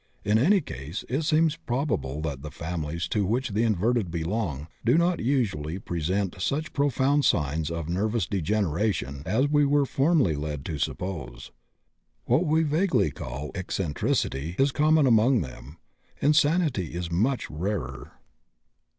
In any case it seems probable that the families to which the inverted belong do not usually present such profound signs of nervous degeneration as we were formerly led to suppose. What we vaguely call "eccentricity" is common among them; insanity is much rarer.